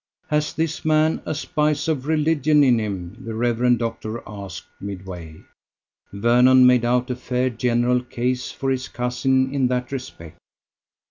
"Has this man a spice of religion in him?" the Rev. Doctor asked midway. Vernon made out a fair general case for his cousin in that respect.